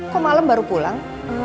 kok malem baru pulang